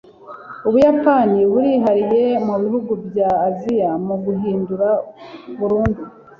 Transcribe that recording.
ubuyapani burihariye mubihugu bya aziya muguhindura burundu